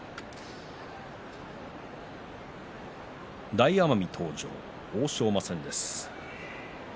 大奄美と欧勝馬戦です。